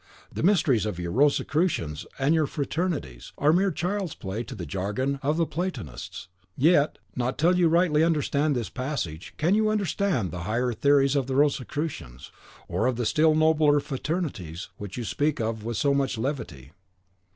The mysteries of your Rosicrucians, and your fraternities, are mere child's play to the jargon of the Platonists." "Yet, not till you rightly understand this passage, can you understand the higher theories of the Rosicrucians, or of the still nobler fraternities you speak of with so much levity."